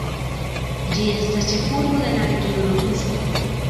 Ĝi estas ĉefurbo de la Regiono Kusko.